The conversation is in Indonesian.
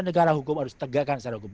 negara hukum harus tegakkan secara hukum